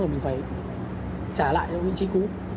rồi mình phải trả lại những chi cú